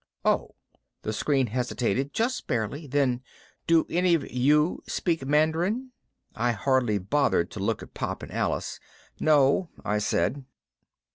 "Oh." The screen hesitated, just barely. Then, "Do any of 'you' speak Mandarin?" I hardly bothered to look at Pop and Alice. "No," I said.